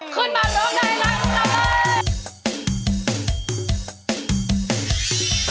ขึ้นมาร้องได้ร้านวันนี้เลย